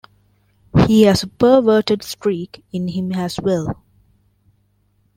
He has a perverted streak in him as well.